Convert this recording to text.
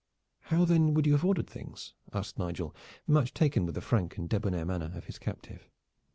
"How then would you have ordered things?" asked Nigel, much taken with the frank and debonair manner of his captive.